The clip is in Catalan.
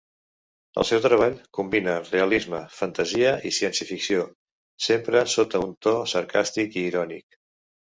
El seu treball combina realisme, fantasia i ciència-ficció, sempre sota un to sarcàstic i irònic.